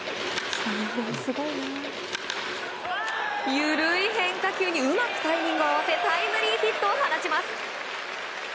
緩い変化球にうまくタイミングを合わせタイムリーヒットを放ちます。